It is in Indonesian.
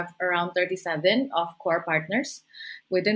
sekarang kami memiliki sekitar tiga puluh tujuh pasangan utama